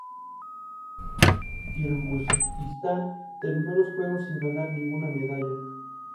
Un título más largo y formal para dicha edición sería "Wolfgang Amadeus Mozart.